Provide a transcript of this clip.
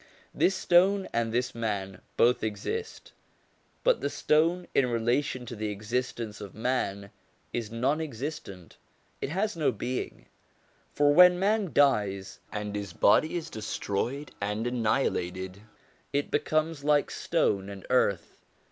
This stone and this man both exist; but the stone in relation to the existence of man is non existent, it has no being; for when man dies, and his body is destroyed and annihilated, it becomes like stone and earth.